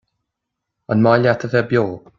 An maith leat a bheith beo?